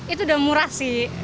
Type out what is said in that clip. itu udah murah sih